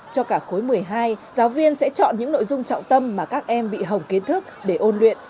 cho cả khối một mươi hai giáo viên sẽ chọn những nội dung trọng tâm mà các em bị hồng kiến thức để ôn luyện